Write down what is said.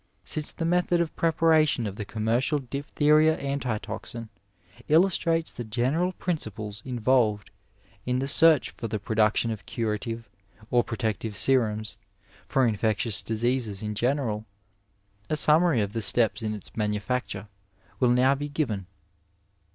Since the method of preparation of the commercial diphtheria antitoxin illustrates the general principles involved in the search for the production of curative or protective serums for infectious diseases in general, a sum mary of the steps in its manufacture will now be given.